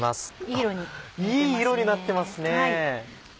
いい色になってますね！